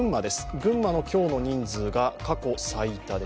群馬の今日の人数が過去最多です。